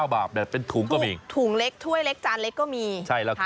บาทเนี่ยเป็นถุงก็มีถุงเล็กถ้วยเล็กจานเล็กก็มีใช่แล้วค่ะ